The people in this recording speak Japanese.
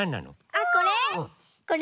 あっこれ？